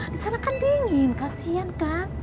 di sana kan dingin kasian kan